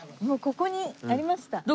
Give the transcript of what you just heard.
もうここにありました。